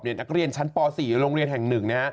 นักเรียนชั้นป๔โรงเรียนแห่ง๑